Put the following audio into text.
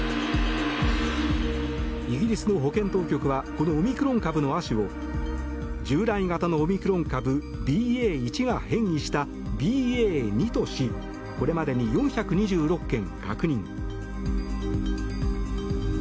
イギリスの保健当局はこのオミクロン株の亜種を従来型のオミクロン株ＢＡ．１が変異したＢＡ．２としこれまでに４２６件確認。